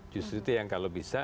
justru itu yang kalau bisa